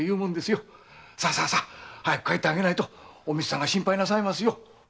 さあ早く帰ってあげないとおみつさんが心配しますよ。